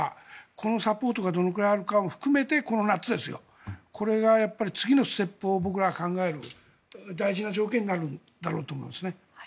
このサポートがどれくらいあるかも含めてこの夏これが次のステップを僕らは考える大事な条件になるんだろうと思うんですね。